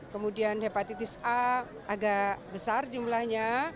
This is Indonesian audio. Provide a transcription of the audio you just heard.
kemudian hepatitis a agak besar jumlahnya